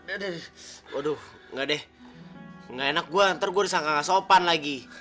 aduh nggak deh nggak enak gua ntar gua risau gak sopan lagi